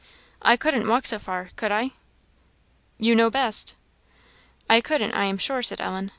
"I couldn't walk so far, could I?" "You know best." "I couldn't, I am sure," said Ellen.